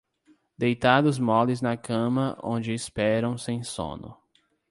deitados moles na cama onde esperam sem sono;